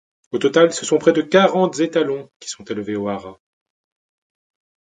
Au total, ce sont près de quarante étalons qui sont élevés au haras.